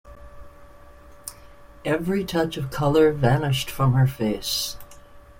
Every touch of colour vanished from her face.